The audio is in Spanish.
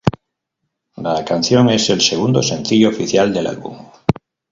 La canción es el segundo sencillo oficial del álbum.